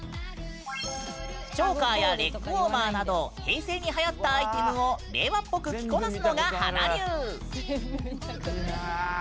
チョーカーやレッグウォーマーなど平成にはやったアイテムを令和っぽく着こなすのが華流。